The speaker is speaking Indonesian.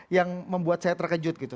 yang membuat saya terkejut gitu